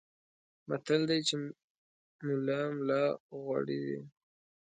متل دی چې ملا ملا غوړي دي.